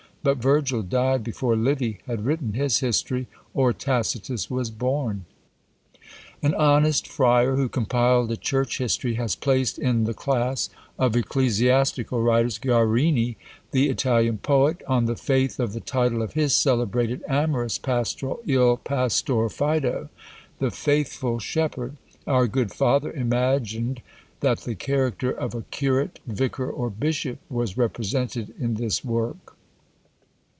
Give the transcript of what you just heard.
But Virgil died before Livy had written his history, or Tacitus was born. An honest friar, who compiled a church history, has placed in the class of ecclesiastical writers Guarini, the Italian poet, on the faith of the title of his celebrated amorous pastoral, Il Pastor Fido, "The Faithful Shepherd;" our good father imagined that the character of a curate, vicar, or bishop, was represented in this work.